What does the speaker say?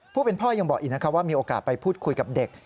ผู้เป็นพ่อยังบอกอีกนะครับว่ามีโอกาสไปพูดคุยกับเด็ก